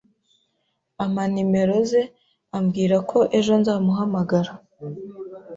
ampa nimero ze, ambwirako ejo nzamuhamagara